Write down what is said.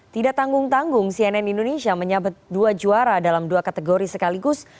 tidak tanggung tanggung cnn indonesia menyabet dua juara dalam dua kategori sekaligus